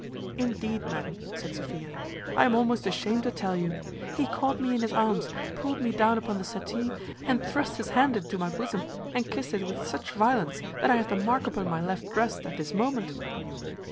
"Indeed, madam," said Sophia, "I am almost ashamed to tell you. He caught me in his arms, pulled me down upon the settee, and thrust his hand into my bosom, and kissed it with such violence that I have the mark upon my left breast at this moment."